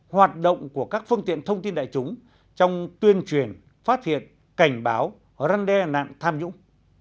hoạt động của các phương tiện thông tin đại chúng trong tuyên truyền phát hiện cảnh báo răn đe nạn tham nhũng